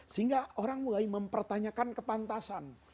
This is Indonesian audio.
sehingga orang mulai mempertanyakan kepantasan